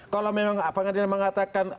kalau memang pengadilan mengatakan